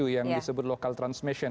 yang disebut local transmission